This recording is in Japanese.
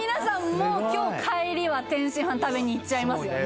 もう今日帰りは天津飯食べに行っちゃいますよね